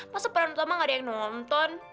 masa pertama tama gak ada yang nonton